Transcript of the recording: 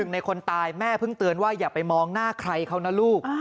ในคนตายแม่เพิ่งเตือนว่าอย่าไปมองหน้าใครเขานะลูก